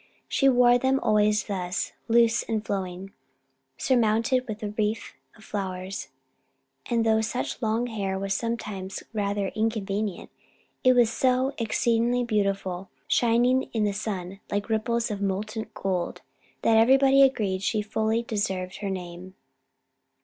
She wore them always thus, loose and flowing, surmounted with a wreath of flowers; and though such long hair was sometimes rather inconvenient, it was so exceedingly beautiful, shining in the sun like ripples of molten gold, that everybody agreed she fully deserved her name.